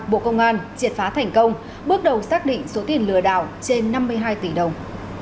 bộ công an triệt phá thành công bước đầu xác định số tiền lừa đảo trên năm mươi hai tỷ đồng